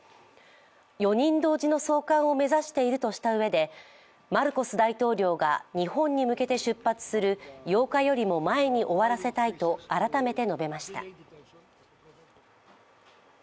４人同時の送還を目指しているとしたうえで、マルコス大統領が日本に向けて出発する８日よりも前に終わらせたいと改めて述べました。